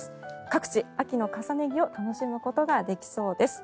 各地、秋の重ね着を楽しむことができそうです。